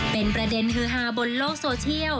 เป็นประเด็นฮือฮาบนโลกโซเชียล